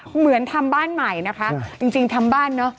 เหมือนทำบ้านใหม่นะคะจริงทำบ้านเนอะ